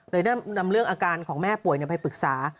นำเรื่องอาการของแม่ป่วยไปปรึกษา